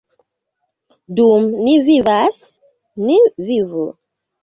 Dum ni vivas, ni vivu!